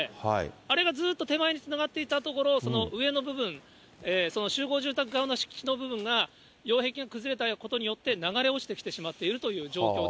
あれがずっと手前につながっていたところ、上の部分、その集合住宅側の敷地の部分が、擁壁が崩れたことによって、流れ落ちてきてしまっているという状